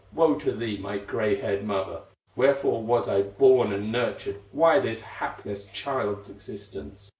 Woe to thee, my gray haired mother! Wherefore was I born and nurtured, Why this hapless child's existence?